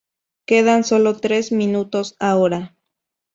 Quedan sólo tres minutos ahora.